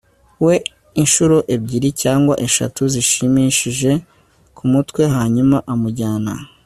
we inshuro ebyiri cyangwa eshatu zishimishije kumutwe, hanyuma amujyana